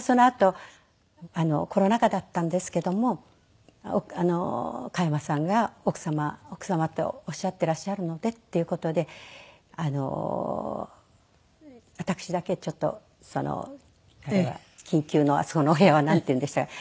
そのあとコロナ禍だったんですけども加山さんが奥様奥様とおっしゃっていらっしゃるのでっていう事で私だけちょっと緊急のあそこのお部屋はなんていうんでしたか？